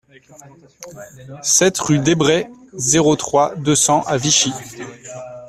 sept rue Desbrest, zéro trois, deux cents à Vichy